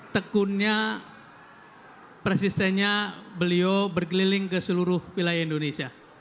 tekunnya persistennya beliau berkeliling ke seluruh wilayah indonesia